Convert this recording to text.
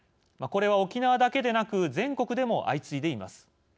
これは沖縄だけでなく全国でも相次いでいます。